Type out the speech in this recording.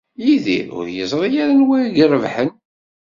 Yidir ur yeẓri ara d anwa i irebḥen.